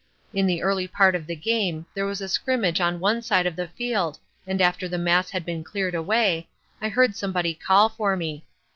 In the early part of the game there was a scrimmage on one side of the field and after the mass had been cleared away, I heard somebody call for me.